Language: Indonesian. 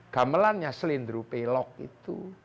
gamelannya selendru pelok itu